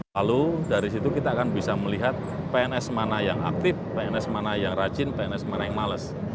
lalu dari situ kita akan bisa melihat pns mana yang aktif pns mana yang rajin pns mana yang males